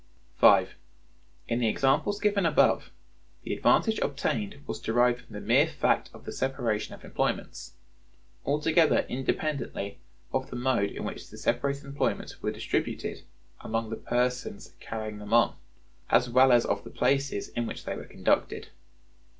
(5.) "In the examples given above the advantage obtained was derived from the mere fact of the separation of employments, altogether independently of the mode in which the separated employments were distributed among the persons carrying them on, as well as of the places in which they were conducted.